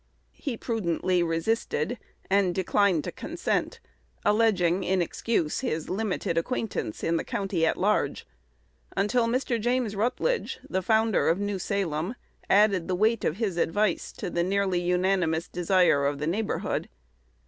He prudently resisted, and declined to consent, alleging in excuse his limited acquaintance in the county at large, until Mr. James Rutledge, the founder of New Salem, added the weight of his advice to the nearly unanimous desire of the neighborhood.